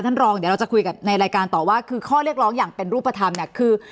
ท่านรองเดี๋ยวเราจะคุยกับในรายการต่อว่าคือข้อเรียกร้องอย่างเป็นรูปธรรมเนี่ยคือ